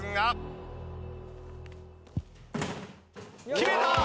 決めた！